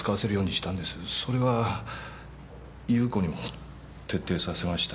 それは祐子にも徹底させました。